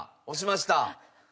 押しました。